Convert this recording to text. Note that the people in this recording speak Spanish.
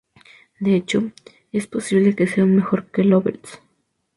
De hecho, es posible que sea aún mejor que Loveless".